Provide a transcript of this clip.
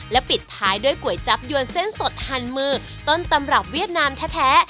ปิดท้ายด้วยก๋วยจับยวนเส้นสดหันมือต้นตำรับเวียดนามแท้